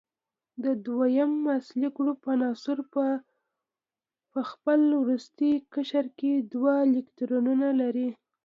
د دویم اصلي ګروپ عناصر په خپل وروستي قشر کې دوه الکترونونه لري.